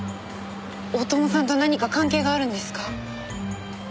大友さんと何か関係があるんですか？